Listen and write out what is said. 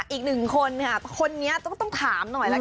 อีก๑คนนี้จะต้องถามหน่อย